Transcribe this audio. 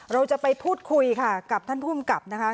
เราจะไปพูดคุยค่ะกับท่านภูมิกับนะคะ